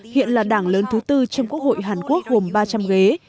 hiện là đảng lớn thứ tư trong quốc hội hàn quốc gồm ba trăm linh ghế